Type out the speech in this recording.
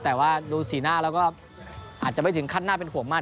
แต่ว่าดูสีหน้าแล้วก็อาจจะไม่ถึงขั้นน่าเป็นห่วงมาก